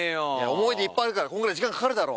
思い出いっぱいあるからこんぐらい時間かかるだろ。